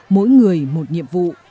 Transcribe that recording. mỗi người một nhiệm vụ